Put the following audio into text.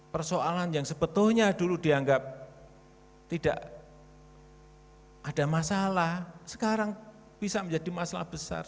persoalan yang sebetulnya dulu dianggap tidak ada masalah sekarang bisa menjadi masalah besar